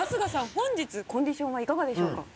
本日コンディションはいかがでしょうか？